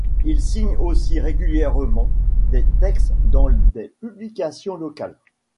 Il signe aussi régulièrement des textes dans des publications locales.